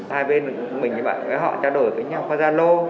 hai bên mình với họ trao đổi với nhau qua gia lô